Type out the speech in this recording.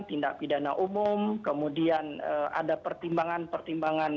tindak pidana umum kemudian ada pertimbangan pertimbangan